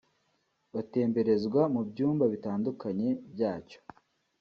batemberezwa mu byumba bitandukanye byacyo